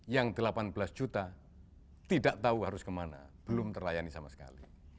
yang delapan belas juta tidak tahu harus kemana belum terlayani sama sekali